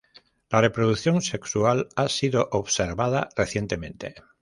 La reproducción sexual ha sido observada recientemente.